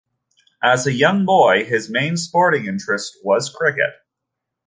As a young boy his main sporting interest was cricket.